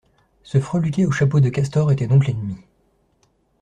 Ce freluquet au chapeau de castor était donc l'ennemi.